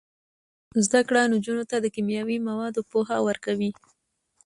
زده کړه نجونو ته د کیمیاوي موادو پوهه ورکوي.